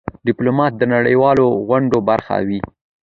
ډيپلومات د نړېوالو غونډو برخه وي.